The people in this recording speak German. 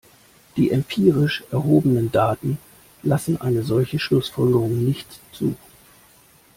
Die empirisch erhobenen Daten lassen eine solche Schlussfolgerung nicht zu.